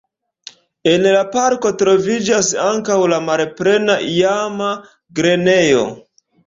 En la parko troviĝas ankaŭ la malplena iama grenejo.